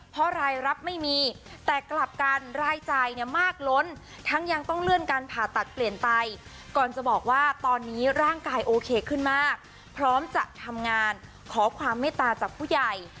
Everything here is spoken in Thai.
เพราะรายรับไม่มีแต่กลับกันรายจ่ายเนี่ยมากล้นทั้งยังต้องเลื่อนการผ่าตัดเปลี่ยนไตก่อนจะบอกว่าตอนนี้ร่างกายโอเคขึ้นมากพร้อมจะทำงานขอความเมตตาจากผู้ใหญ่